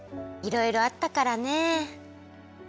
いろいろあったからねえ。